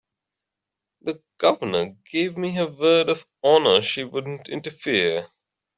The Governor gave me her word of honor she wouldn't interfere.